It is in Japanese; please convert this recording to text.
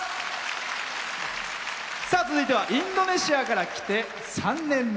続いてはインドネシアから来て３年目。